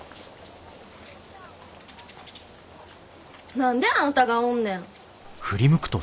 何であんたがおんねん！？